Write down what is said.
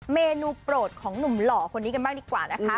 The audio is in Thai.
เมนูโปรดของหนุ่มหล่อคนนี้กันบ้างดีกว่านะคะ